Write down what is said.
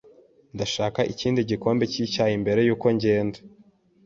Ndashaka ikindi gikombe cyicyayi mbere yuko ngenda.